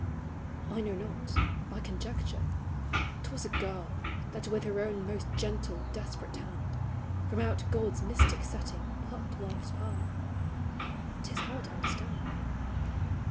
I know not; I conjecture. 'T was a girl That with her own most gentle desperate hand From out God's mystic setting plucked life's pearl— 'T is hard to understand.